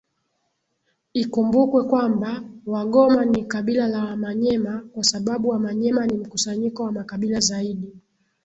Ikumbukwe kwamba wagoma ni Kabila La wamanyema Kwasababu Wamanyema ni Mkusanyiko wa makabila zaidi